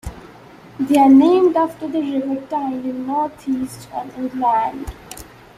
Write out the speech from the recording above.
They are named after the River Tyne in north-east England.